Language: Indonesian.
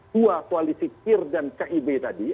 dua koalisi kir dan kib tadi